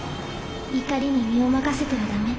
怒りに身を任せてはダメ。